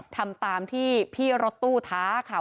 ทำตามที่พี่รถตู้ท้าค่ะ